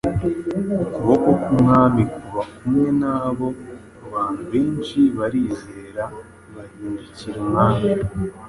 Ukuboko kw’Umwami kuba kumwe na bo, abantu benshi barizera, bahindukirira Umwami.